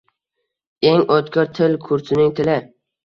Eng oʼtkir til kursining tili.